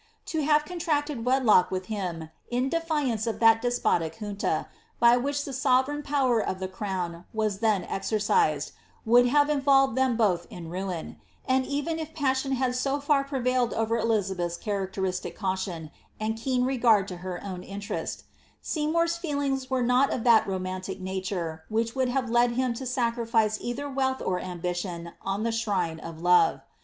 ^ To have cootracted wedlock with him in defiance of that despotic junta, by which the sovereign power of the crown was then exercised, would hive involved them both in ruin ; and even if passion had so for pre* Tailed over Elizabeth^s characteristic caution and keen regard to her ovn interest, Seymour^s feelings were not of that romantic nature which would have led him to sacrifice either wealth or ambition on the shrine of love.